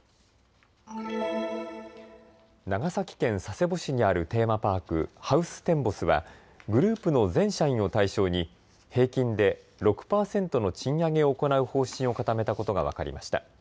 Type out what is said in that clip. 長崎県佐世保市にあるテーマパーク、ハウステンボスはグループの全社員を対象に平均で６％の賃上げを行う方針を固めたことが分かりました。